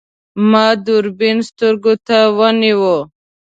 ما دوربین سترګو ته ونیو.